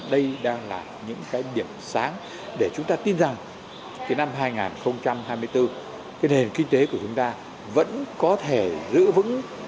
đây đang là những cái điểm sáng để chúng ta tin rằng cái năm hai nghìn hai mươi bốn cái nền kinh tế của chúng ta vẫn có thể giữ vững